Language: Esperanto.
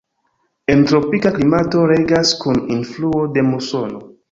En tropika klimato regas kun influo de musono.